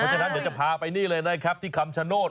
เพราะฉะนั้นอยากจะพาไปนี่เลยนะครับที่ขำชโนต